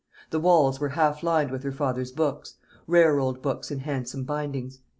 The walls were half lined with her father's books rare old books in handsome bindings.